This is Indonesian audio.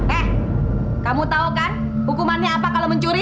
eh kamu tau kan hukumannya apa kalau mencuri